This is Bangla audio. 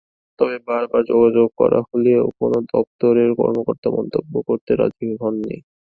তবে বারবার যোগাযোগ করা হলেও কোনো দপ্তরের কর্মকর্তারা মন্তব্য করতে রাজি হননি।